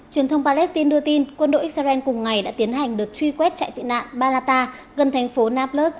truyền thông palestine đưa tin quân đội israel cùng ngày đã tiến hành đợt truy quét trại tị nạn barata gần thành phố nablus